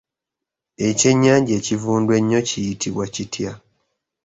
Ekyennyanja ekivundu ennyo kiyitibwa kitya?